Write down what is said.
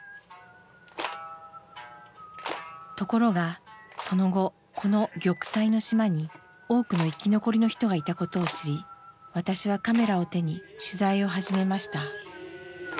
ところがその後この玉砕の島に多くの生き残りの人がいたことを知り私はカメラを手に取材を始めました。